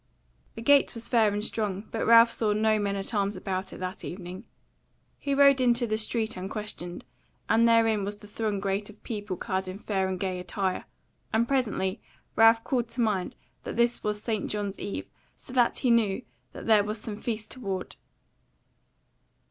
The gate was fair and strong, but Ralph saw no men at arms about it that evening. He rode into the street unquestioned, and therein was the throng great of people clad in fair and gay attire; and presently Ralph called to mind that this was St. John's Eve, so that he knew that there was some feast toward.